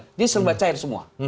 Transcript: jadi serba cair semua